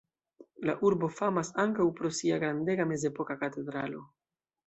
La urbo famas ankaŭ pro sia grandega mezepoka katedralo.